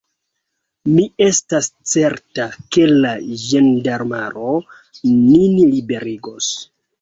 Mi estis certa, ke la ĝendarmaro nin liberigos.